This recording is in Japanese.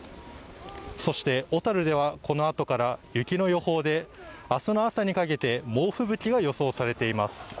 そして、小樽ではこのあとから雪の予報で、明日の朝にかけて猛吹雪が予想されています。